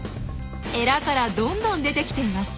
エラからどんどん出てきています。